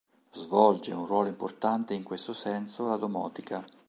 Svolge un ruolo importante in questo senso la domotica.